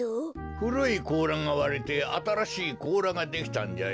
ふるいこうらがわれてあたらしいこうらができたんじゃよ。